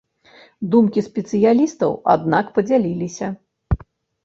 Думкі спецыялістаў, аднак, падзяліліся.